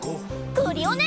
クリオネ！